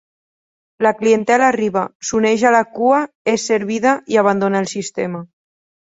La clientela arriba, s'uneix a la cua, és servida i abandona el sistema.